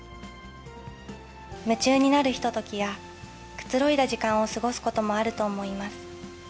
夢中になるひとときや、くつろいだ時間を過ごすこともあると思います。